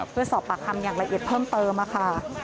เพื่อสอบปากคำอย่างละเอียดเพิ่มเติมค่ะ